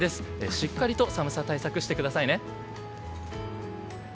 しっかり寒さ対策してくださいね。